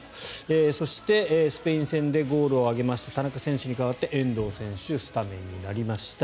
そして、スペイン戦でゴールを挙げました田中選手に代わって遠藤選手スタメンになりました。